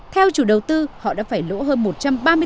theo chủ đầu tư họ đã phải lỗ hơn một tỷ